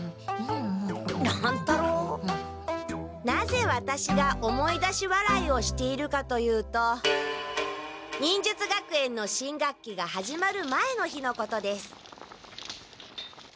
なぜワタシが思い出し笑いをしているかと言うと忍術学園の新学期が始まる前の日のことです。